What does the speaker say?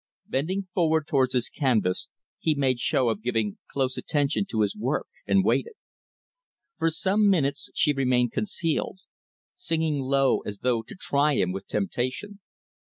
Bending forward toward his canvas, he made show of giving close attention to his work and waited. For some minutes, she remained concealed; singing low, as though to try him with temptation.